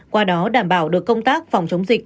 qua đó đảm bảo được công tác phòng chống dịch